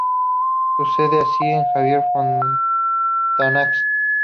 Sucede así a Xavier Fontanet.